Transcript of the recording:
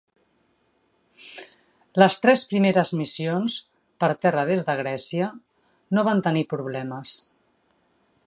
Les tres primeres missions, per terra des de Grècia, no van tenir problemes.